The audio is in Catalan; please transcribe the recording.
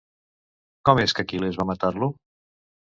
Com és que Aquil·les va matar-lo?